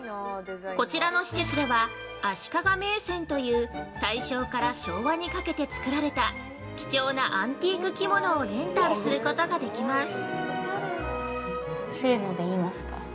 こちらのの施設では、「足利銘仙」という大正から昭和にかけて作られた貴重なアンティーク着物をレンタルすることができます